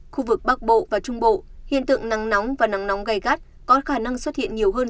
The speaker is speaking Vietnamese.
khu vực bắc bộ và trung bộ hiện tượng nắng nóng và nắng nóng gai gắt có khả năng xuất hiện nhiều hơn